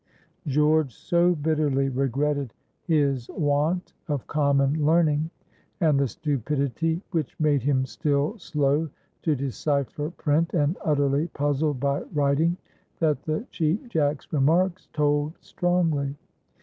George so bitterly regretted his want of common learning, and the stupidity which made him still slow to decipher print, and utterly puzzled by writing, that the Cheap Jack's remarks told strongly.